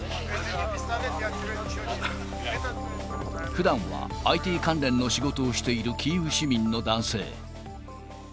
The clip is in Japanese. ふだんはＩＴ関連の仕事をしているキーウ市民の男性。